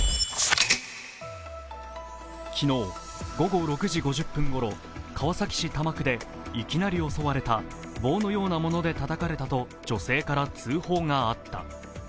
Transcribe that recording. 昨日、午後６時５０分ごろ、川崎市多摩区でいきなり襲われた、棒のようなものでたたかれたと女性から通報があった。